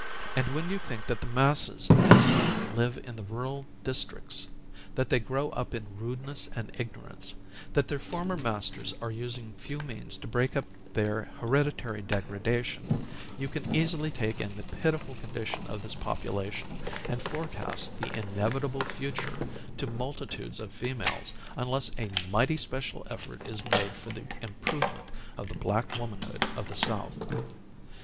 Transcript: And when you think that the masses of these women live in the rural districts; that they grow up in rudeness and ignorance; that their former masters are using few means to break up their hereditary degradation, you can easily take in the pitiful condition of this population, and forecast the inevitable future to multitudes of females unless a mighty special effort is made for the improvement of the black womanhood of the South.